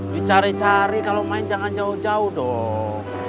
dicari cari kalau main jangan jauh jauh dong